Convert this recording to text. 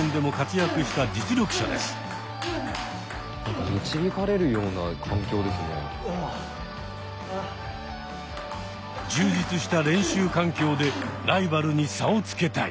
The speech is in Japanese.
充実した練習環境でライバルに差をつけたい。